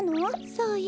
そうよ。